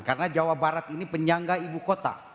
karena jawa barat ini penyangga ibu kota